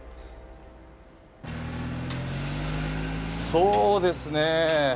そうですね。